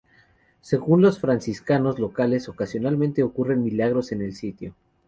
Según los franciscanos locales, ocasionalmente ocurren milagros en el sitio.